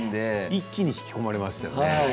一気に引き込まれましたよね。